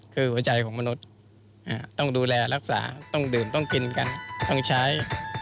คือหัวใจของมนุษย์ต้องดูแลรักษาต้องดื่มต้องกินกันต้องใช้